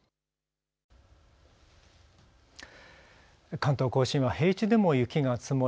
関東甲信は平地でも雪が積もり